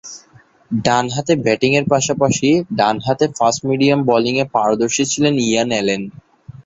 ডানহাতে ব্যাটিংয়ের পাশাপাশি ডানহাতে ফাস্ট-মিডিয়াম বোলিংয়ে পারদর্শী ছিলেন ইয়ান অ্যালেন।